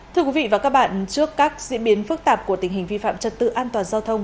thưa quý vị và các bạn trước các diễn biến phức tạp của tình hình vi phạm trật tự an toàn giao thông